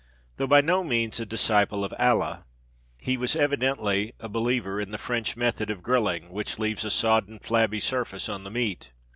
Though by no means a disciple of Ala, he was evidently a believer in the French method of grilling, which leaves a sodden, flabby surface on the meat.